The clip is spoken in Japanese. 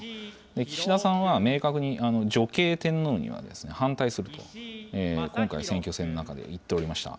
岸田さんは、明確に女系天皇には反対すると、今回、選挙戦の中で言っておりました。